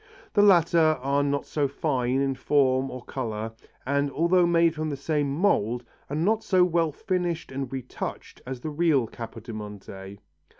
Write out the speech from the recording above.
The latter are not so fine in form or colour, and although made from the same mould are not so well finished and retouched as the real Capodimonte.